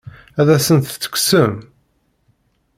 Ad asent-t-tekksem?